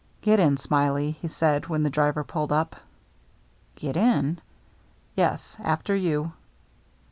" Get in. Smiley," he said, when the driver pulled up. "Get in?" "Yes — after you."